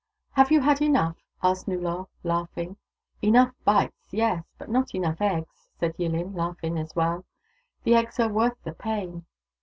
" Have you had enough ?" asked Nullor, laughing. " Enough bites, yes ; but not enough eggs," said Yillin, laughing as well. " The eggs are worth the pain."